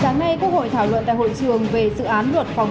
sáng nay quốc hội thảo luận tại hội trường